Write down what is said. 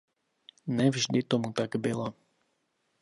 Ne vždy tomu tak bylo.